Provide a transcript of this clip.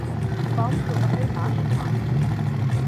কম প্রবাহের মাস মার্চ।